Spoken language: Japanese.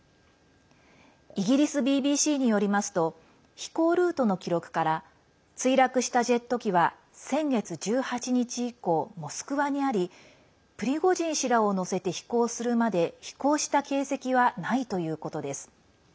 イギリスＢＢＣによりますと飛行ルートの記録から墜落したジェット機は先月１８日以降、モスクワにありプリゴジン氏らを乗せて飛行するまで飛行した形跡はないということです。